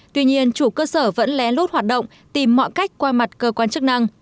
tuy nhiên chủ cơ sở vẫn lén lút hoạt động tìm mọi cách qua mặt cơ quan chức năng